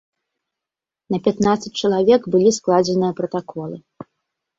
На пятнаццаць чалавек былі складзеныя пратаколы.